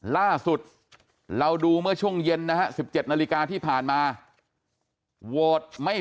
ล่าสุดเราดูเมื่อช่วงเย็นนะฮะ๑๗นาฬิกาที่ผ่านมาโหวตไม่